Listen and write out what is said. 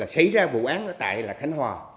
xảy ra vụ án tại khánh hòa